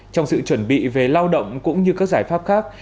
trong sự chuẩn bị về lao động cũng như các giải pháp khác